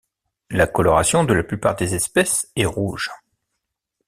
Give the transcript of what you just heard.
La coloration de la plupart des espèces est rouge.